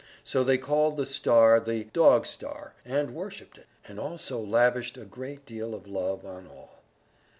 So they called the star the "Dog Star" and worshipped it, and also lavished a great deal of love on all.